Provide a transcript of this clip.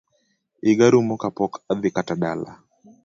Yiga rumo ka pok adhi kata dala